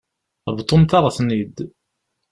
Bḍumt-aɣ-ten-id.